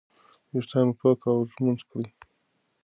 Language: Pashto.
ویښتان مو پاک او ږمنځ کړئ.